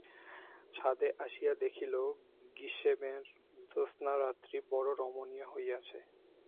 ছাদে আসিয়া দেখিল, গ্রীষেমর জ্যোৎস্নারাত্রি বড়ো রমণীয় হইয়াছে।